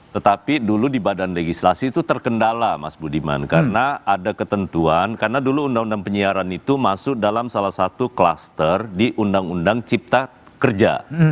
tetapi dulu di badan legislasi itu terkendala mas budiman karena ada ketentuan karena dulu undang undang penyiaran itu masuk dalam salah satu kluster di undang undang cipta kerja